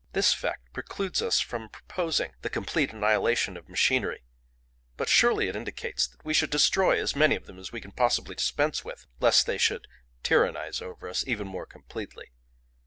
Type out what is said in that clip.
This fact precludes us from proposing the complete annihilation of machinery, but surely it indicates that we should destroy as many of them as we can possibly dispense with, lest they should tyrannise over us even more completely.